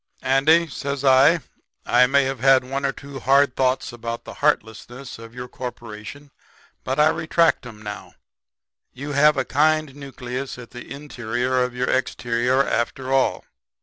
"'Andy,' says I, 'I may have had one or two hard thoughts about the heartlessness of your corporation, but I retract 'em now. You have a kind nucleus at the interior of your exterior after all.